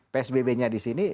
psbb nya di sini